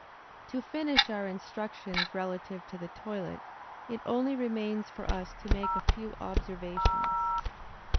To finish our instructions relative to the toilet, it only remains for us to make a few observations.